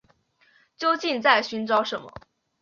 究竟在寻找什么